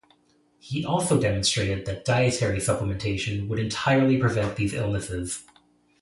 He also demonstrated that dietary supplementation would entirely prevent these illnesses.